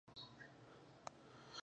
ما پرې له ارواپوه سره مرکه وکړه.